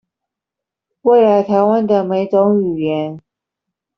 未來臺灣的每種語言